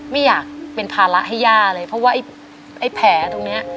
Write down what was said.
ไม่อยากเป็นภาระให้ย่าเลยเพราะว่าไอ้แผลตรงเนี้ย